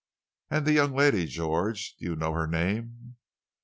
"And the young lady, George; do you know her name?"